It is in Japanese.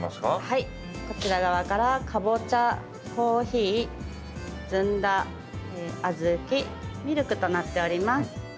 はい、こちら側からかぼちゃ、コーヒー、ずんだ小豆、ミルクとなっております。